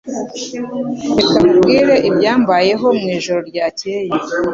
Reka nkubwire ibyambayeho mwijoro ryakeye.